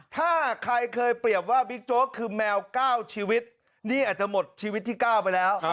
ถ้าใครเคยเปรียบว่าบิ๊กโจ๊กคือแมว๙ชีวิตนี่อาจจะหมดชีวิตที่๙ไปแล้ว